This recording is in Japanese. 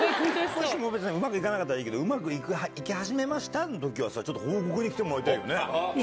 もしうまくいかなかったらいいけど、うまくいき始めましたのときは、ちょっと報告に来てもらいたいよね。